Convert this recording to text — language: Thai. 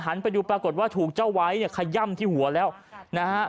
ไปดูปรากฏว่าถูกเจ้าไว้เนี่ยขย่ำที่หัวแล้วนะฮะ